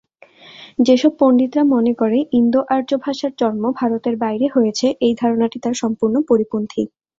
যেসব পণ্ডিতরা মনে করে ইন্দো- আর্য ভাষার জন্ম ভারতের বাইরের হয়েছে, এই ধারণাটি তার সম্পূর্ণ পরিপন্থী।